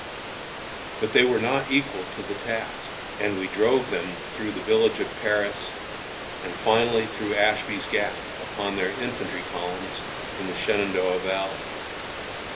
But they were not equal to the task, and we drove them through the village of Paris, and finally through Ashby's Gap, upon their infantry columns in the Shenandoah Valley.